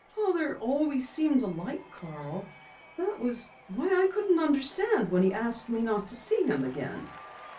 Father always seemed to like Carl. That was why I couldn't understand when he asked me not to see him again."